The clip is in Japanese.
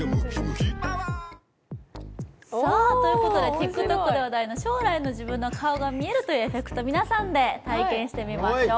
ＴｉｋＴｏｋで話題の将来の顔が見えるというエフェクト、皆さんで体験してみましょう。